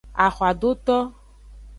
Axwadoto.